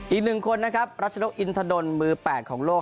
อีกหนึ่งคนนะครับรัชนกอินทดลมือ๘ของโลก